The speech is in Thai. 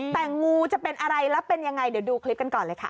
แต่งูจะเป็นอะไรแล้วเป็นยังไงเดี๋ยวดูคลิปกันก่อนเลยค่ะ